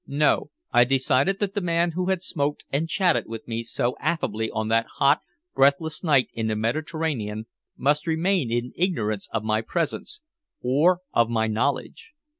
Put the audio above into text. No. I decided that the man who had smoked and chatted with me so affably on that hot, breathless night in the Mediterranean must remain in ignorance of my presence, or of my knowledge.